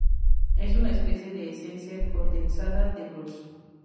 Es una especie de esencia condensada de Bruce.